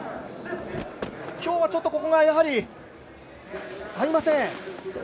きょうはちょっとここが合いません。